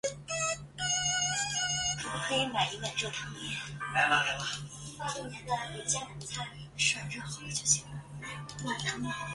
国王温坎在法国殖民者的保护下逃往暹罗。